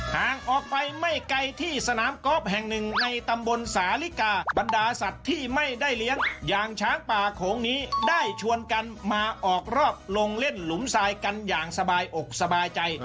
ห่างออกไปไม่ไกลที่สนามกอล์ฟแห่งหนึ่งในตำบลสาลิกาบรรดาสัตว์ที่ไม่ได้เลี้ยงอย่างช้างป่าโขงนี้ได้ชวนกันมาออกรอบลงเล่นหลุมทรายกันอย่างสบายอกสบายใจ